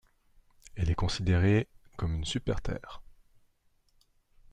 Elle est considérée comme une Super-Terre.